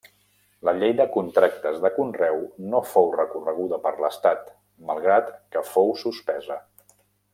La llei de Contractes de Conreu no fou recorreguda per l'Estat, malgrat que fou suspesa.